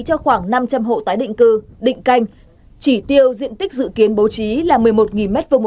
cho khoảng năm trăm linh hộ tái định cư định canh chỉ tiêu diện tích dự kiến bố trí là một mươi một m hai